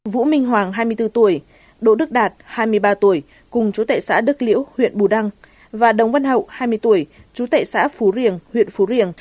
vũ minh hoàng hai mươi bốn tuổi đỗ đức đạt hai mươi ba tuổi cùng chú tệ xã đức liễu huyện bù đăng và đồng văn hậu hai mươi tuổi chú tệ xã phú riềng huyện phú riềng